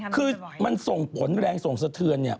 คือมันส่งผลแรงส่งสะเทือนเนี่ย